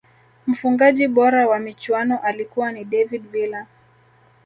mfungaji bora wa michuano alikuwa ni david villa